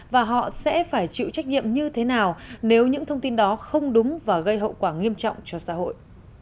và họ sẽ phải chịu trách nhiệm như thế nào nếu những thông tin đó không đúng và gây hậu quả nghiêm trọng cho xã hội